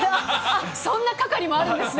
そんな係もあるんですね。